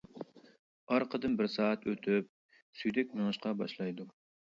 ئارقىدىن بىر سائەت ئۆتۈپ، سۈيدۈك مېڭىشقا باشلايدۇ.